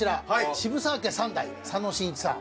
『渋沢家三代』佐野眞一さん。